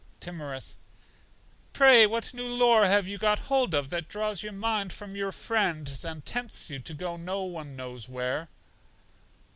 Timorous: Pray what new lore have you got hold of that draws your mind from your friends, and tempts you to go no one knows where?